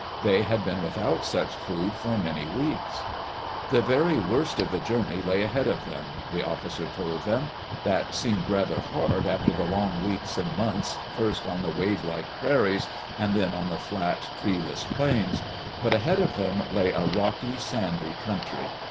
They had been without such food for many weeks. The very worst of the journey lay ahead of them, the officer told them. That seemed rather hard after the long weeks and months, first on the wave like prairies, and then on the flat, treeless plains. But ahead of them lay a rocky, sandy country.